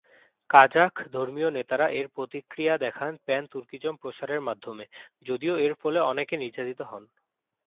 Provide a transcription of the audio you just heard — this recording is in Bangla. কাজাখ ধর্মীয় নেতারা এর প্রতিক্রিয়া দেখান প্যান-তুর্কিজম প্রসারের মাধমে, যদিও এর ফলে অনেকে নির্যাতিত হন।